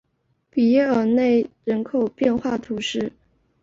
比耶尔内人口变化图示